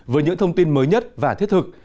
với những thông tin mới nhất và thiết thực